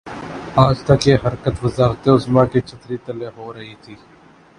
آج تک یہ حرکت وزارت عظمی کی چھتری تلے ہو رہی تھی۔